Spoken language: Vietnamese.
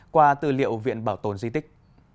qua tư liệu viện bảo tồn di tích